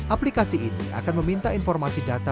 aplikasi ini akan meminta informasi data